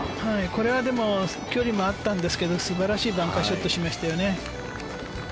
これも距離はあったんですが素晴らしいバンカーショットをしましたよね。